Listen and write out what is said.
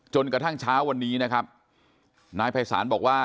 จนกระทั่งเช้าวันนี้นะครับนายภัยศาลบอกว่า